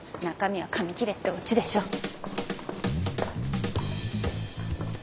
中身は紙切れってオチでしょ。